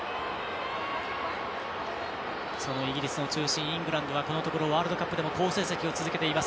そのイギリスの中心イングランドは、このところワールドカップでも好成績を続けています。